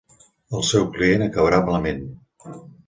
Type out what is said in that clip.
El seu client acabarà malament.